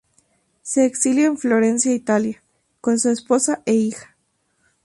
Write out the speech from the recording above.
Se exilia en Florencia, Italia con su esposa e hija.